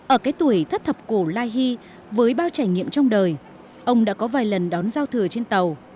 ở cái tuổi thất thập cổ lai với bao trải nghiệm trong đời ông đã có vài lần đón giao thừa trên tàu